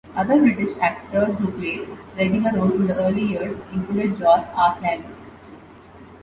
Other British actors who played regular roles in the early years included Joss Ackland.